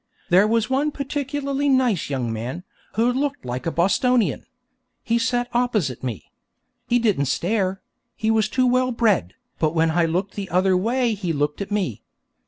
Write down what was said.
There was one particularly nice young man, who looked like a Bostonian. He sat opposite me. He didn't stare he was too well bred, but when I looked the other way he looked at me.